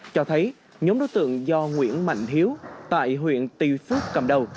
cho thấy nhóm đối tượng do nguyễn mạnh hiếu tại huyện tuy phước cầm đầu